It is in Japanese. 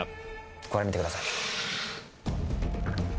これ見てください。